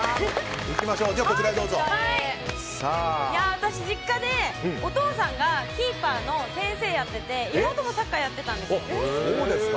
私、実家でお父さんがキーパーの先生やってて妹もサッカーやってたんですよ。